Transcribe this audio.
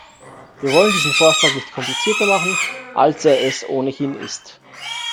Wir wollen diesen Vorschlag nicht komplizierter machen, als er es ohnehin ist.